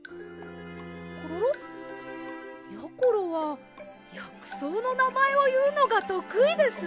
コロロ？やころはやくそうのなまえをいうのがとくいです。